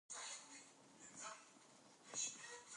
ایا ټولنه باور لري پر هغو نجونو چې خپل علم شریکوي؟